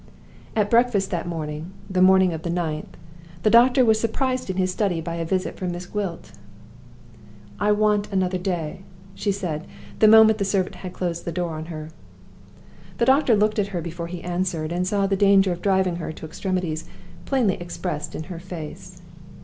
At breakfast that morning (the morning of the 9th) the doctor was surprised in his study by a visit from Miss Gwilt. "I want another day," she said, the moment the servant had closed the door on her. The doctor looked at her before he answered, and saw the danger of driving her to extremities plainly expressed in her face.